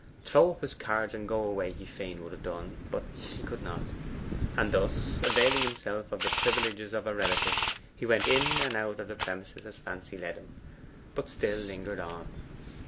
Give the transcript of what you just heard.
Throw up his cards and go away he fain would have done, but could not. And, thus, availing himself of the privileges of a relative, he went in and out the premises as fancy led him but still lingered on.